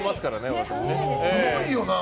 すごいよな。